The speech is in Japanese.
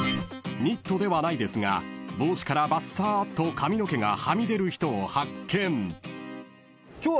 ［ニットではないですが帽子からバッサーと髪の毛がはみ出る人を発見］